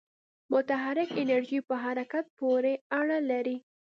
متحرک انرژی په حرکت پورې اړه لري.